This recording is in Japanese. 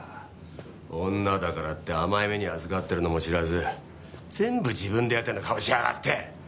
女だからって甘い目にあずかってるのも知らず全部自分でやったような顔しやがって。